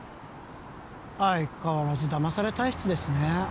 相変わらず騙され体質ですね